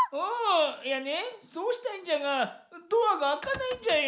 いやねそうしたいんじゃがドアがあかないんじゃよ。